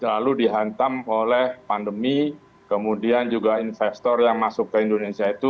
lalu dihantam oleh pandemi kemudian juga investor yang masuk ke indonesia itu